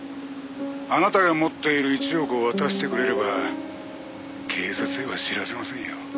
「あなたが持っている１億を渡してくれれば警察へは知らせませんよ」